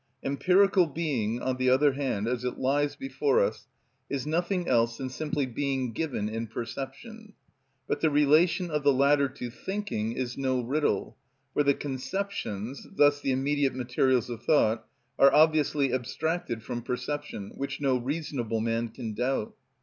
Empirical being, on the other hand, as it lies before us, is nothing else than simply being given in perception; but the relation of the latter to thinking is no riddle, for the conceptions, thus the immediate materials of thought, are obviously abstracted from perception, which no reasonable man can doubt.